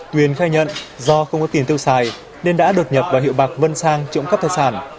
tuyền khai nhận do không có tiền tiêu xài nên đã đột nhập vào hiệu bạc vân sang trộm cắp tài sản